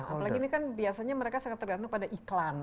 apalagi ini kan biasanya mereka sangat tergantung pada iklan